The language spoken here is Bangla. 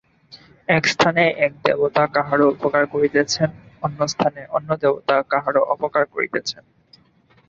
একস্থানে এক দেবতা কাহারও উপকার করিতেছেন, অন্যস্থানে অন্য দেবতা কাহারও অপকার করিতেছেন।